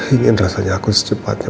ingin rasanya aku secepatnya